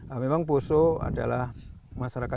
nah memang poso poso yang di sini sudah berhubungan dengan masyarakat